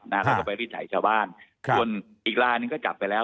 เราก็ไปรีดถ่ายชาวบ้านต้นอีกร้านก็จับไปแล้ว